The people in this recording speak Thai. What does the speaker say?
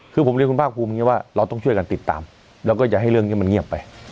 คือผมเรียนคุณภาคภูมิอย่างนี้ว่าเราต้องช่วยกันติดตามแล้วก็อย่าให้เรื่องนี้มันเงียบไป